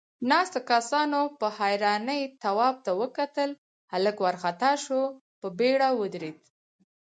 ناستو کسانوپه حيرانۍ تواب ته وکتل، هلک وارخطا شو، په بيړه ودرېد.